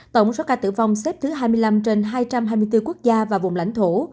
tổng số ca tử vong xếp thứ hai mươi năm trên hai trăm hai mươi bốn quốc gia và vùng lãnh thổ